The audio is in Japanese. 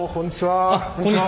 こんにちは。